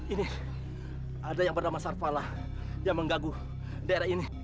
ini ada yang bernama sarfalah yang menggaguh daerah ini